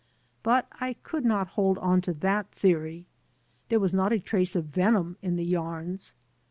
But I could not long hold on to that theory. There was not a trace of venom in the yams.